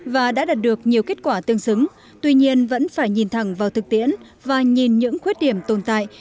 và đã đạt được nhiều kết quả tương xứng tuy nhiên vẫn phải nhìn thẳng vào thực tiễn và nhìn những khuyết điểm tồn tại